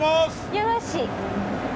よろしい。